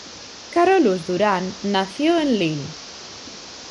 Carolus-Duran nació en Lille.